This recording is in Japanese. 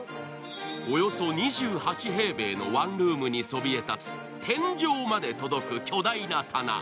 およそ２８平米のワンルームにそびえたつ天井まで届く巨大な棚。